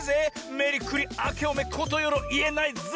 「メリクリ」「あけおめ」「ことよろ」いえないぜ！